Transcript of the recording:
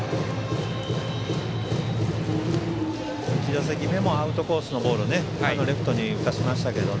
１打席目もアウトコースのボールをレフトに打たせましたけど。